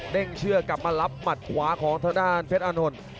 เด้งเชือกลับมารับหมัดขวาของทางด้านเฟสอันธน